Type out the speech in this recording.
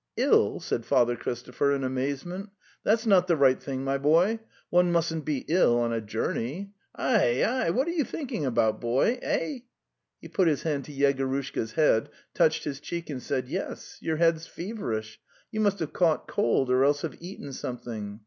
"Tl?" said Father Christopher in amazement. 4 hats: not) the right thing, my boy.7: i" One mustn't be ill on a journey. Aiie, aie, what are you thinking about, boy ... eh?" He put his hand to Yegorushka's head, touched his cheek and said: " Mes, your head's) feverish. .\.. You must have caught cold or else have eaten something.